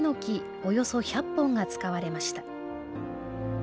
およそ１００本が使われました。